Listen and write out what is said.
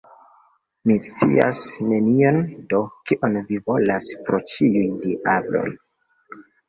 Mi scias nenion; do kion vi volas, pro ĉiuj diabloj?